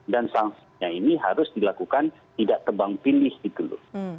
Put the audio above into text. dan sanksinya ini harus dilakukan tidak tebang pilih dikendut